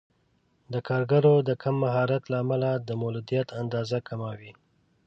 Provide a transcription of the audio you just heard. د کارګرو د کم مهارت له امله د مولدیت اندازه کمه وي.